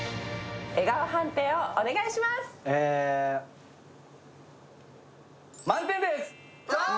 笑顔判定をお願いします。